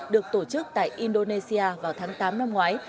được tổ chức tại indonesia vào tháng tám năm ngoái